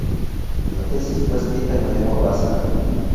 La tesis fue escrita en lengua vasca.